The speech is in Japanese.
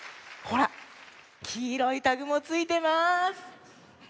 ほらきいろいタグもついてます！